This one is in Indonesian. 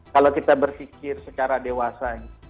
kalau kita berpikir secara dewasa